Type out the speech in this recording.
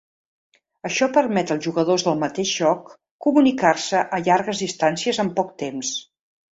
Això permet als jugadors del mateix joc comunicar-se a llargues distàncies en poc temps.